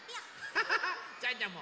ハハハジャンジャンも！